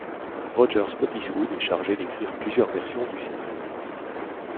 Roger Spottiswoode est chargé d'écrire plusieurs versions du scénario.